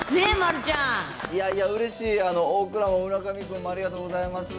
いやいや、うれしいよ、大倉も村上君もありがとうございます。